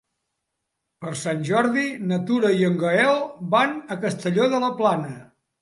Per Sant Jordi na Tura i en Gaël van a Castelló de la Plana.